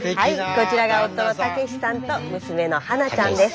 こちらが夫の健志さんと娘の花菜ちゃんです。